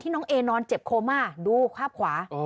ที่น้องเอนอนเจ็บโคม่าดูภาพขวาอ๋อ